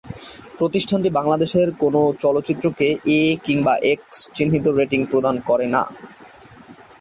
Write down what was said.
প্রতিষ্ঠানটি বাংলাদেশের কোন চলচ্চিত্রকে ‘এ’ কিংবা ‘এক্স’ চিহ্নিত রেটিং প্রদান করে না।